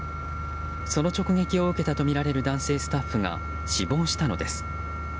その直撃を受けたとみられる男性スタッフが死亡したのです。